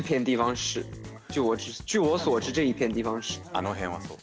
あの辺はそう。